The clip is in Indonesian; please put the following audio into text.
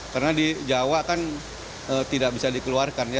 karena di jawa kan tidak bisa dikeluarkan ya